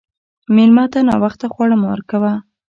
مېلمه ته ناوخته خواړه مه ورکوه.